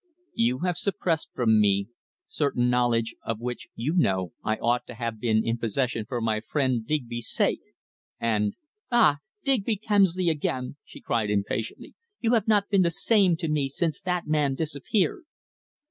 "You have suppressed from me certain knowledge of which you know I ought to have been in possession for my friend Digby's sake, and " "Ah! Digby Kemsley again!" she cried impatiently. "You've not been the same to me since that man disappeared."